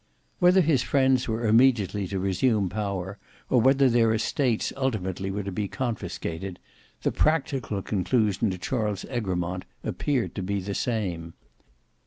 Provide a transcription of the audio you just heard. Whether his friends were immediately to resume power, or whether their estates ultimately were to be confiscated, the practical conclusion to Charles Egremont appeared to be the same.